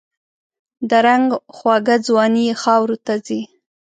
د رنګ خوږه ځواني یې خاوروته ځي